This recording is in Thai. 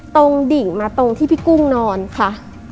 ดิ่งมาตรงที่พี่กุ้งนอนค่ะ